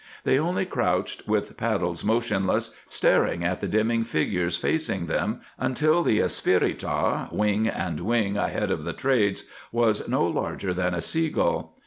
They only crouched, with paddles motionless, staring at the dimming figures facing them, until the Espirita, "wing and wing" ahead of the trades, was no larger than a seagull.